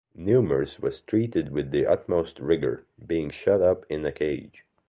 Nemours was treated with the utmost rigour, being shut up in a cage.